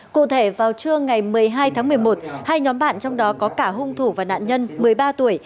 cụ thể vào trưa ngày một mươi hai tháng một mươi một hai nhóm bạn trong đó có cả hung thủ và nạn nhân một mươi ba tuổi